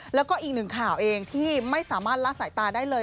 แล้วก็อีกหนึ่งข่าวเองที่ไม่สามารถละสายตาได้เลย